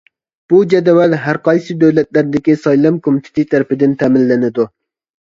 بۇ جەدۋەل ھەرقايسى دۆلەتلەردىكى سايلام كومىتېتى تەرىپىدىن تەمىنلىنىدۇ.